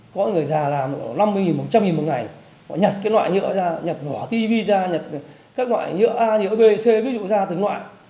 có người già làm năm mươi nghìn một trăm linh nghìn một ngày họ nhặt cái loại nhựa ra nhặt hỏa tivi ra nhặt các loại nhựa a nhựa b nhựa c ví dụ ra từng loại